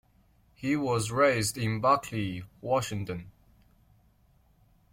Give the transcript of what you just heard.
He was raised in Buckley, Washington.